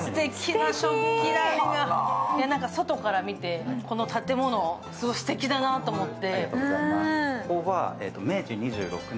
外から見てこの建物すてきだなと思って。